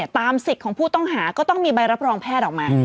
ตามสิทธิ์ของผู้ต้องหาก็ต้องมีใบรับรองแพทย์ออกมา